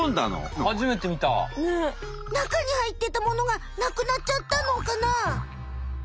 中に入ってたものがなくなっちゃったのかな？